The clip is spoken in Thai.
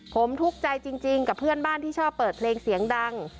ผมทุกข์ใจจริงกับเพื่อนบ้านที่ชอบเปิดเพลงเสียงดัง